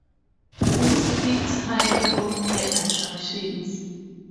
He speaks highly of her attractions.